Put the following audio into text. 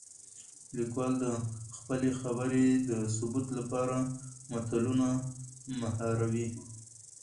ليکوال د خپلې خبرې د ثبوت لپاره متلونه ،محاورې